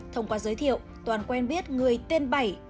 thông qua giới thiệu toàn quen biết người tên bảy